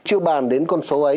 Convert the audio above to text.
chưa bàn đến con số ấy